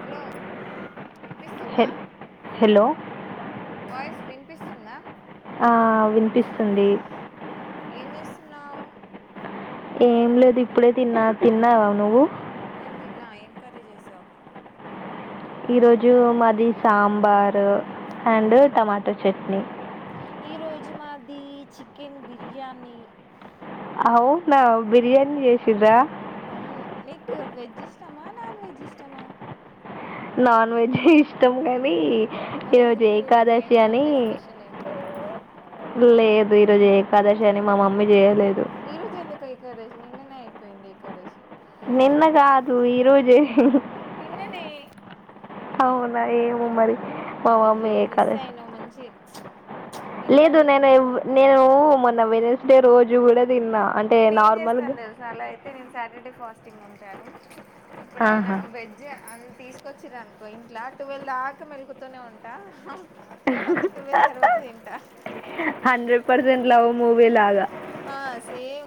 Hello హె వినిపిస్తుందా hello voice విన్ వినిపిస్తుందా ఆ వినిపిస్తుంది ఏం చేస్తున్నావు ఏం లేదు ఇప్పుడే తిన్నా తిన్నావా నువ్వు నేను తిన్నా ఏం కర్రీ చేసావు ఈ రోజు మాది సాంబారు అండ్ టమాటో చట్నీ ఈ రోజు మాది చికెన్ బిర్యానీ అవునా బిర్యానీ చేసిరా అవును నీకు వెజ్ ఇష్ ఇష్టమా నాన్ వెెజ్ ఇష్టమా నాన్ వెజే ఇష్టం కాని మరి ఎందుకు ఈ రోజు ఏం సండే స్పెషల్ ఏం లేదా లేదు ఈరోజు ఏకాదశి అని మా మమ్మీ చేయ్యదు ఈరోజెందుకేకదశ్ నిన్ననే అయిపోయింది. ఏకాదశి నిన్నగాదు ఈ ర్ రోజే [unintelligible] నిన్ననే అవునా ఏమో మరి మా మమ్మీ అయ్యో ఏ మిస్ కద అయినావు మంచి లేదు బిర్యానీ నేను నేను మ వెన్స్ డే రోజు కూడా తిన్నా అంటే నేను ఏం నార్మల్గా చేస్తాను తెలుసా అలా అయితే నేను సాటర్డే ఫాస్ట్ టీంగ్ ఉంటాను ఎప్పుడైనా ఆహా వెజ్ అం తీసుకొచ్చిరనుకో ఇంట్లో టువెల్వ్ దాకా మెళకువతోనే ఉంటా హ్హ్ తర్వాత ట్వెల్వ్ హ్ తర్వాత హ్ తింటా హ్ హండ్రెడ్ పర్సంట్ లవ్ మూవీ వెళ్లాగా ఆ సేమ్